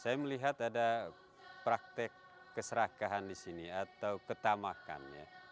saya melihat ada praktik keserakahan di sini atau ketamakan